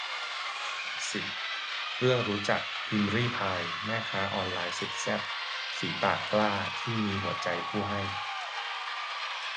สิบ เรื่องรู้จัก พิมรี่พาย แม่ค้าออนไลน์สุดแซ่บ ฝีปากกล้า ที่มีหัวใจผู้ให้